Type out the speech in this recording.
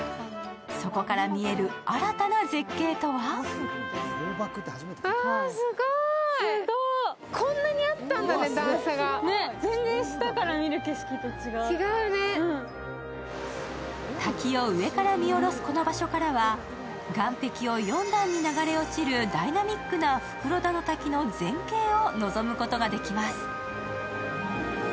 そこから見える新たな絶景とは滝を上から見下ろすこの場所からは岸壁を４段に流れ落ちるダイナミックな袋田の滝の全景を望むことができます。